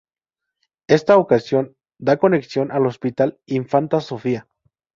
Esta estación da conexión al Hospital Infanta Sofía.